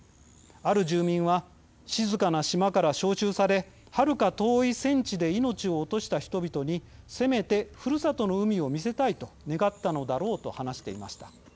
ある住民は静かな島から召集されはるか遠い戦地で命を落とした人々にせめてふるさとの海を見せたいと願ったのだろうと話していました。